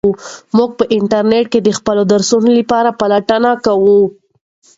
موږ په انټرنیټ کې د خپلو درسونو لپاره پلټنه کوو.